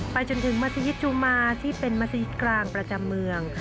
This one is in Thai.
จนถึงมัธยิตจุมาที่เป็นมัศยิตกลางประจำเมือง